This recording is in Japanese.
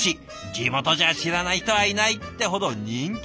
「地元じゃ知らない人はいない！」ってほど人気のハンバーグ。